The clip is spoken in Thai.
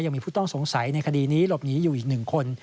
ยังมีผู้ต้องสงสัยในคดีนี้หลบหนีอยู่อีก๑คน